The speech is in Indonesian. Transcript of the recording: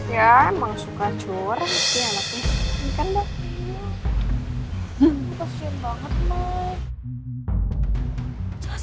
ya emang suka curah